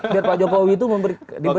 biar pak jokowi itu diberikan input